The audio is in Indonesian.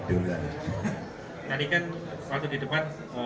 tadi kan waktu di depan